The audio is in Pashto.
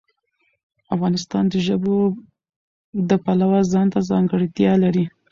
افغانستان د ژبو د پلوه ځانته ځانګړتیا لري.